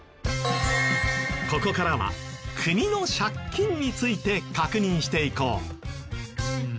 ここからは国の借金について確認していこう。え。